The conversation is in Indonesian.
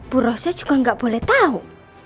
bu rosa juga gak boleh tau